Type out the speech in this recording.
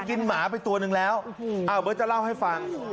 มันกินหมาไปตัวนึงแล้วเบอร์จะเล่าให้ฟัง